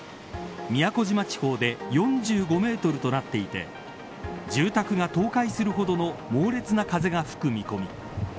宮古島地方で４５メートルとなっていて住宅が倒壊するほどの猛烈な風が吹く見込み。